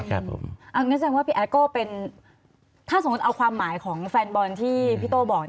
งั้นแสดงว่าพี่แอดก็เป็นถ้าสมมุติเอาความหมายของแฟนบอลที่พี่โต้บอก